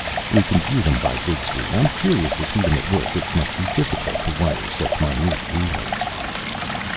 "We can view them by vidscreen. I'm curious to see them at work. It must be difficult to wire such minute relays."